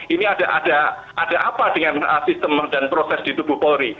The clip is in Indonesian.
ini ada apa dengan sistem dan proses di tubuh polri